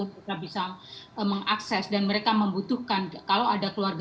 mereka bisa mengakses dan mereka membutuhkan